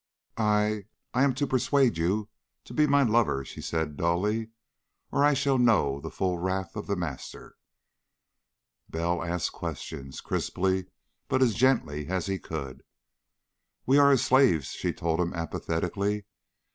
"I I am to persuade you to be my lover," she said dully, "or I shall know the full wrath of The Master...." Bell asked questions, crisply, but as gently as he could. "We are his slaves," she told him apathetically.